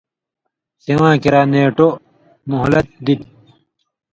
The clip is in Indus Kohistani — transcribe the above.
سِواں کریا نېٹو/ مہلت دِتیۡ؛